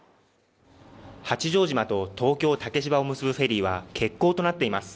八丈島と東京・竹芝を結ぶフェリーは欠航となっています